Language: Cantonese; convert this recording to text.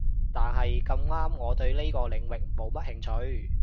但係咁啱我對呢個領域冇乜興趣